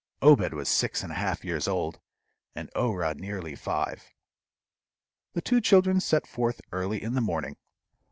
Obed was six and a half years old, and Orah nearly five. The two children set forth early in the morning.